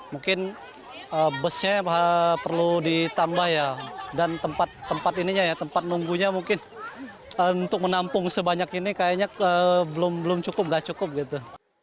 mungkin busnya perlu ditambah ya dan tempat tempat ininya ya tempat nunggunya mungkin untuk menampung sebanyak ini kayaknya belum cukup nggak cukup gitu